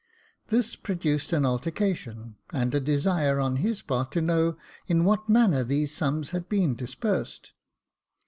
This produced an altercation, and a desire on his part to know in what manner these sums had been disbursed.